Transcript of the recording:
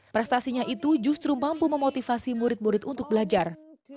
prestasinya itu justru mampu memotivasi murid murid untuk belajar